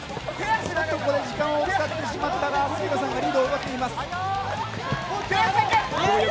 ちょっと時間を使ってしまったが杉野さんがリードを奪っています。